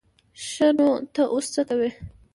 ښه نو ته اوس څه کوې؟